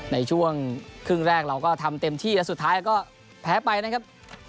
ในช่วงครึ่งแรกเราก็ทำเต็มที่แล้วสุดท้ายก็แพ้ไปนะครับ